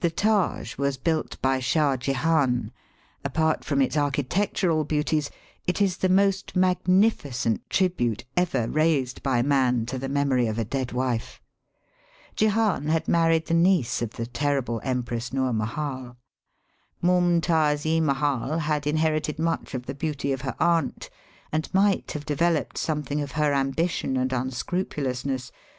The Taj was built by Shah Jehan, apart from its architectural beauties, it is the most magnificent tribute ever raised by man to the memory of a dead wife. Jehan had married the niece of the terrible Empress Noor Mahal. Moomtaz ee Mahal had in herited much of the beauty of her aunt, and Digitized by VjOOQIC mmm ^^THE WONDEB OP INDIA." 286 might have developed something of her am bition and unscrupulousness.